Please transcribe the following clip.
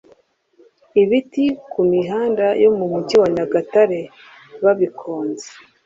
Ibiti ku mihanda yo mu mujyi wa Nyagatare babikonze